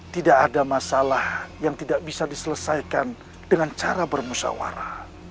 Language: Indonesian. tidak ada masalah yang tidak bisa diselesaikan dengan cara bermusawarah